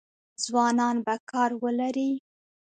ځوانان به کار ولري؟